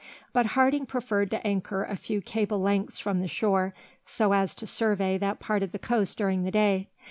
But Harding preferred to anchor a few cable lengths from the shore, so as to survey that part of the coast during the day.